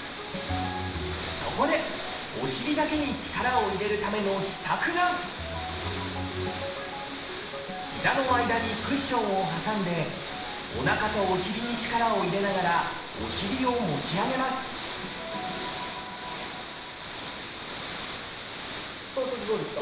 そこでお尻だけに力を入れるための秘策が膝の間にクッションを挟んでおなかとお尻に力を入れながらお尻を持ち上げますそうするとどうですか？